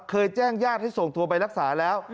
เคยแจ้งญาติให้ส่งตัวไปรักษาแล้ว